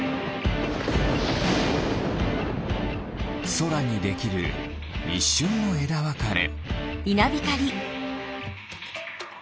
そらにできるいっしゅんのえだわかれ。